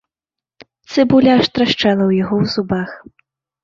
Цыбуля аж трашчала ў яго ў зубах.